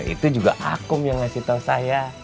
itu juga aku yang ngasih tau saya